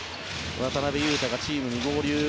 渡邊雄太がチームに合流。